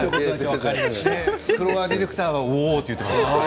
フロアディレクターは、おーと言っていました。